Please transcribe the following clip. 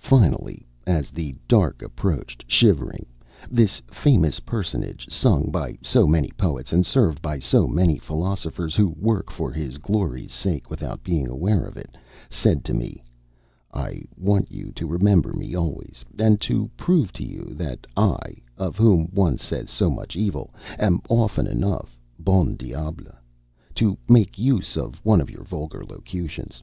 Finally, as the dark approached shivering, this famous personage, sung by so many poets, and served by so many philosophers who work for his glory's sake without being aware of it, said to me: "I want you to remember me always, and to prove to you that I of whom one says so much evil am often enough bon diable, to make use of one of your vulgar locutions.